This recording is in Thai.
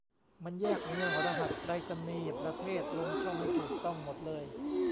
มันแยกเมือง รหัสไปรษณีย์ ประเทศ ลงช่องให้ถูกต้องหมดเลย